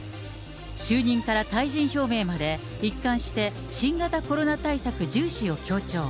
就任から退陣表明まで一貫して新型コロナ対策重視を強調。